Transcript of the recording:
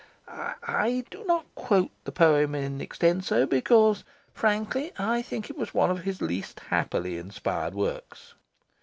I do not quote the poem in extenso, because, frankly, I think it was one of his least happily inspired works.